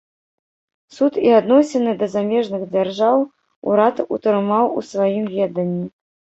Суд і адносіны да замежных дзяржаў урад утрымаў у сваім веданні.